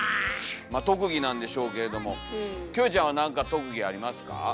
まあ特技なんでしょうけれどもキョエちゃんは何か特技ありますか？